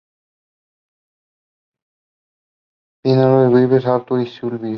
Pinafore", de W. S. Gilbert y Arthur Sullivan.